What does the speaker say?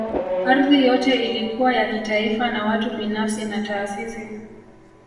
Ardhi yote ilikuwa ya kitaifa na watu binafsi na taasisi